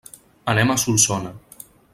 Anem a Solsona.